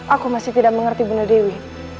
aku masih tidak mengerti bunda dewi